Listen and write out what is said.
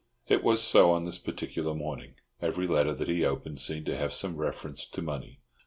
It was so on this particular morning. Every letter that he opened seemed to have some reference to money.